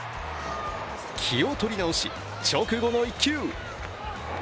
気を取り直し、直後の一球。